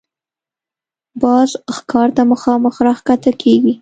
باز ښکار ته مخامخ راښکته کېږي